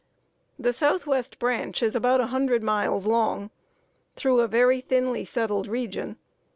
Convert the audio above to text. The Southwest Branch is about a hundred miles long, through a very thinly settled region.